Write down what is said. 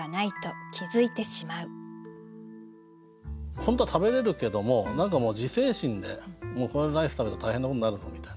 本当は食べれるけども何かもう自制心でもうこのライス食べたら大変なことになるぞみたいな。